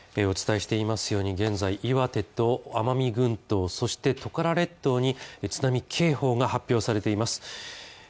お伝えしていますように現在岩手と奄美群島そしてトカラ列島に津波警報が発表されています。